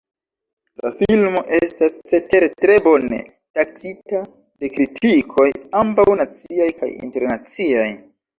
La filmo estas cetere tre bone taksita de kritikoj ambaŭ naciaj kaj internaciaj.